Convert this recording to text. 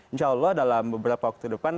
insya allah dalam beberapa waktu depan